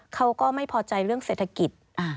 เขาก็ไม่พอใจเรื่องเศรษฐกิจ